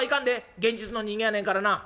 現実の人間やねんからな」。